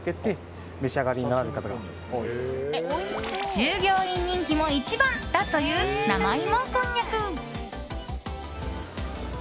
従業員人気も一番だという生いもこんにゃく。